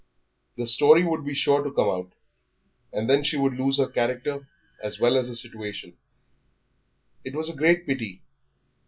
The story would be sure to come out, and then she would lose her character as well as her situation. It was a great pity.